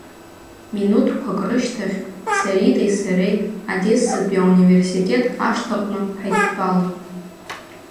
Минуҭқәак рышьҭахь Саритеи сареи Одессатәи ауниверситет ашҭаҟны ҳаидтәалан.